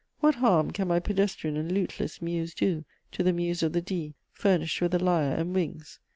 What harm can my pedestrian and luteless muse do to the muse of the Dee, furnished with a lyre and wings?